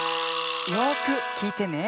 よくきいてね。